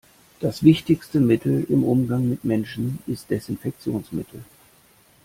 Das wichtigste Mittel im Umgang mit Menschen ist Desinfektionsmittel.